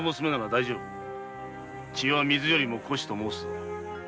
血は水よりも濃しと申すぞ。